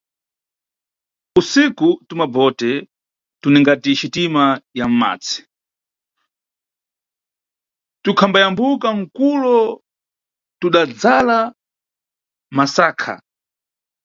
Usiku tumabote tuningati xitima ya mʼmadzi tukhambayambuka mkulo tudadzala masakha.